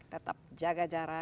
tetap jaga jarak